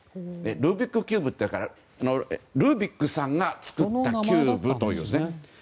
ルービックキューブというからルービックさんが作ったキューブという。